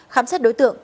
khám xét đối tượng